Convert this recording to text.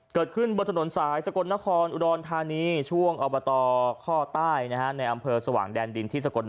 เกิดขึ้นบนถนนสายสะกดณครอุดรทานี